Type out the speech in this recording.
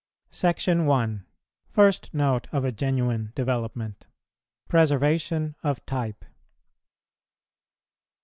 SECTION I. FIRST NOTE OF A GENUINE DEVELOPMENT. PRESERVATION OF TYPE.